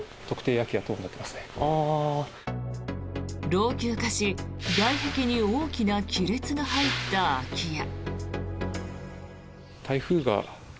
老朽化し外壁に大きな亀裂が入った空き家。